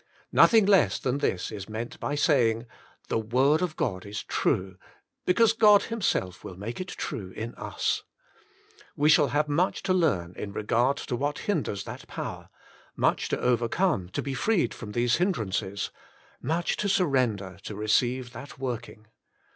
Nothing less than this is meant by saying: the Word of God Is True! because God himself will make it true in us. We shall have much to learn in regard to what hinders that power, much to overcome to be freed from these hindrances, much to surrender to 40 The Inner Chamber receive that working.